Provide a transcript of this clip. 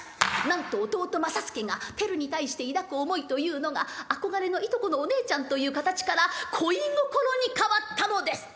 なんと弟正祐がテルに対して抱く思いというのが憧れのいとこのお姉ちゃんという形から恋心に変わったのです。